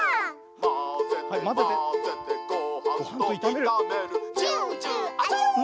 まぜてまぜてごはんといためるジュジュアチョー！